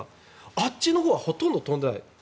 あっちのほうはほとんど飛んでない。